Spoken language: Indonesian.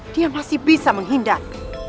dia masih bisa menghindar